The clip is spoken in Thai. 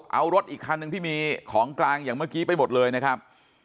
เอารถอีกคันหนึ่งที่มีของกลางอย่างเมื่อกี้ไปหมดเลยนะครับ